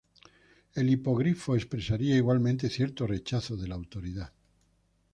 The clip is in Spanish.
El hipogrifo expresaría igualmente cierto rechazo de la autoridad.